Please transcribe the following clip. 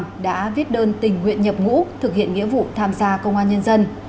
tỉnh tuyên quang đã viết đơn tình nguyện nhập ngũ thực hiện nghĩa vụ tham gia công an nhân dân